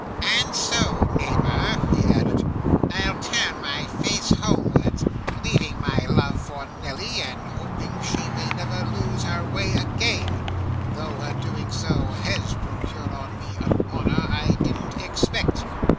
'And so, neighbour,' he added, 'I'll turn my face homewards, leaving my love for Nelly and hoping she may never lose her way again, though her doing so HAS procured me an honour I didn't expect.